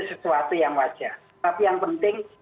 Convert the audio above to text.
sesuatu yang wajar tapi yang penting